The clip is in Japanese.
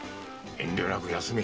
遠慮なく休め。